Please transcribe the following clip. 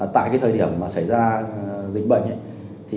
tại thời điểm xảy ra dịch bệnh